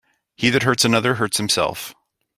He that hurts another, hurts himself.